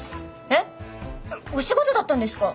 えっお仕事だったんですか？